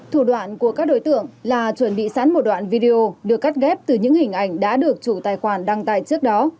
thủ đoạn của các đối tượng là chuẩn bị sẵn một đoạn video được cắt ghép từ những hình ảnh đã được chủ tài khoản đăng tải trước đó